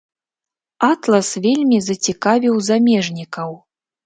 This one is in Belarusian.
Атлас вельмі зацікавіў замежнікаў.